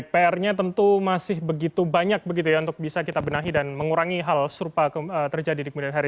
pr nya tentu masih begitu banyak begitu ya untuk bisa kita benahi dan mengurangi hal serupa terjadi di kemudian hari